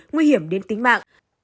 nguy hiểm đến tính mạng